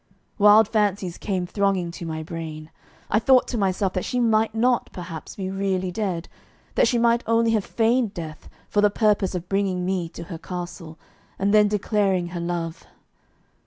Wild fancies came thronging to my brain. I thought to myself that she might not, perhaps, be really dead; that she might only have feigned death for the purpose of bringing me to her castle, and then declaring her love.